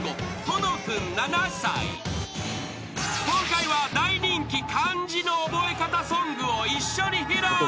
［今回は大人気漢字の覚え方ソングを一緒に披露］